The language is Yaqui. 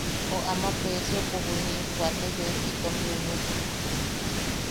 O ama Peesiopo juniʼi wate yoim itom nunuʼuk.